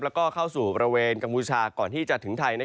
แล้วก็เข้าสู่บริเวณกัมพูชาก่อนที่จะถึงไทย